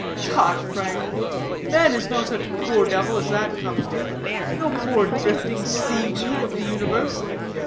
"Tut! Frank. Man is no such poor devil as that comes to no poor drifting sea weed of the universe.